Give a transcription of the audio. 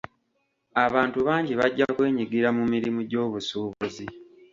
Abantu bangi bajja kwenyigira mu mirimu gy'obusuubuzi.